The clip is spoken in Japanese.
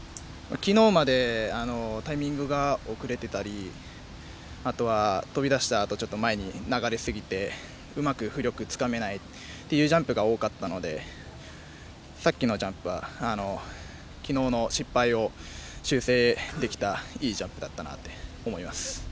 昨日までタイミングが遅れてたりあとは飛び出したあとちょっと前に流れすぎてうまく浮力つかめないっていうジャンプが多かったのでさっきのジャンプは昨日の失敗を修正できたいいジャンプだったなって思います。